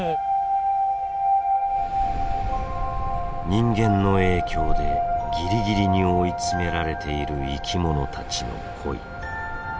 人間の影響でギリギリに追い詰められている生きものたちの恋。